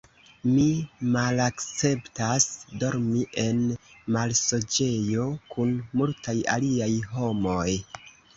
Mi malakceptas dormi en amasloĝejo kun multaj aliaj homoj.